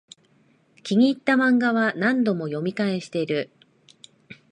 気に入ったマンガは何度も読み返してる